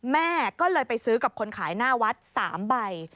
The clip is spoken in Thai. แม่ก็เลยไปซื้อกับคนขายหน้าวัด๓ใบ